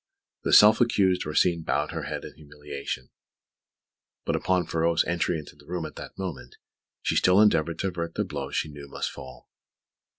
The self accused Rosine bowed her head in humiliation; but upon Ferraud's entry into the room at that moment, she still endeavoured to avert the blow she knew must fall.